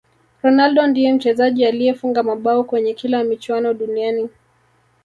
ronaldo ndiye mchezaji aliyefunga mabao kwenye kila michuano duniani